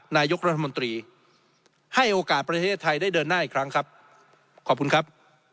นายกรัฐมนตรีให้โอกาสประเทศไทยได้เดินหน้าอีกครั้งครับขอบคุณครับ